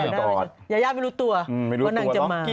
ย้าย้าย่าย่ายไม่รู้ตัวว่านางจะมา